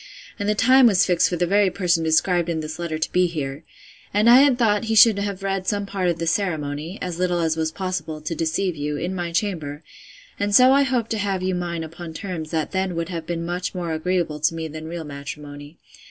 and the time was fixed for the very person described in this letter to be here; and I had thought he should have read some part of the ceremony (as little as was possible, to deceive you) in my chamber; and so I hoped to have you mine upon terms that then would have been much more agreeable to me than real matrimony.